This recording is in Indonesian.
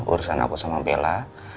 urusan aku sama bella